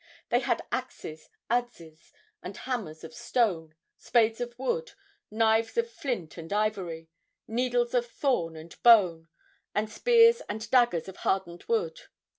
They had axes, adzes and hammers of stone, spades of wood, knives of flint and ivory, needles of thorn and bone, and spears and daggers of hardened wood.